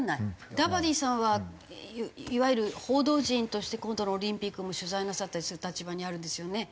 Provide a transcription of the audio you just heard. ダバディさんはいわゆる報道陣として今度のオリンピックも取材なさったりする立場にあるんですよね？